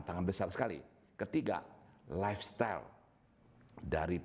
kemudian turun ke mana anak woods ada di kota luar